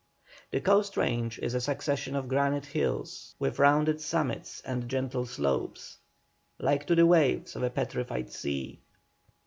The coast range is a succession of granite hills with rounded summits and gentle slopes, like to the waves of a petrified sea.